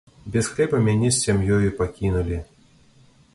Без хлеба мяне з сям'ёю пакінулі.